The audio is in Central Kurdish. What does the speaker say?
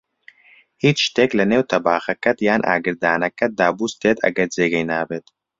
هیچ شتێک لەنێو تەباخەکەت یان ئاگردانەکەت دا بووستێت، ئەگەر جێگەی نابێت